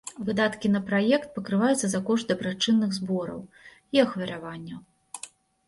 Выдаткі на праект пакрываюцца за кошт дабрачынных збораў і ахвяраванняў.